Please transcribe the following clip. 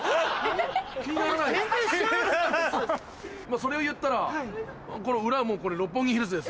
それを言ったらこの裏は六本木ヒルズですよ。